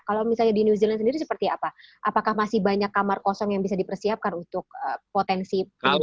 kalau misalnya di new zealand sendiri seperti apa apakah masih banyak kamar kosong yang bisa dipersiapkan untuk potensi